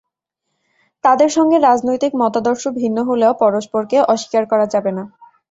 তাদের সঙ্গে রাজনৈতিক মতাদর্শ ভিন্ন হলেও পরস্পরকে অস্বীকার করা যাবে না।